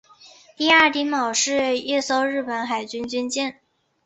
第二丁卯是一艘日本海军军舰。